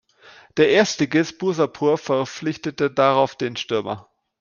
Der Erstligist Bursaspor verpflichtete darauf den Stürmer.